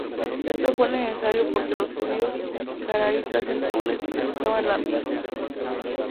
Esto fue necesario porque los judíos caraítas de Túnez rechazaban la Mishná.